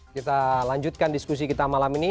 kita lanjutkan diskusi kita malam ini